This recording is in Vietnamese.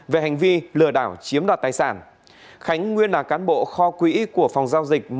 về hành vi lừa đảo chiếm đoạt tài sản khánh nguyên là cán bộ kho quỹ của phòng giao dịch